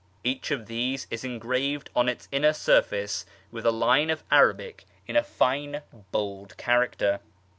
Each of these is engraved on its inner surface with a line of Arabic in a fine bold character.